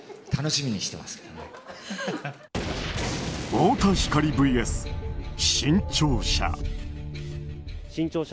太田光ＶＳ新潮社。